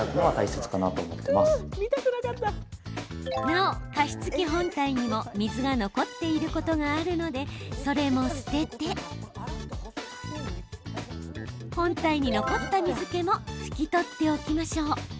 なお、加湿器本体にも水が残っていることがあるのでそれも捨てて本体に残った水けも拭き取っておきましょう。